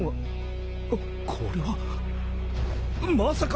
△叩これはまさか！